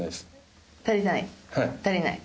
足りない？